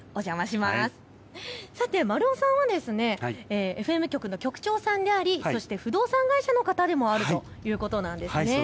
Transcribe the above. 丸尾さんはＦＭ局の局長さんでありそして不動産会社の方でもあるということですよね。